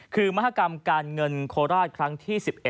คือมหากรรมการเงินโคราชครั้งที่๑๑